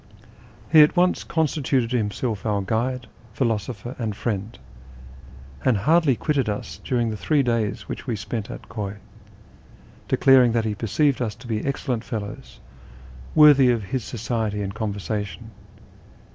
He at once constituted himself our guide, philosopher, and friend, and hardly quitted us during the three days which we spent at Khuy, declaring that he perceived us to be excellent fellows, worthy of his society and conversation.